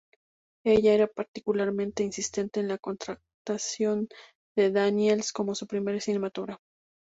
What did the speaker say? Ella era particularmente insistente en la contratación de Daniels como su primer cinematógrafo.